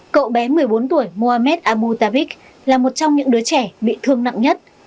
cậu bé một mươi bốn tuổi mohamed abu tabik là một trong những đứa trẻ bị thương nặng nhất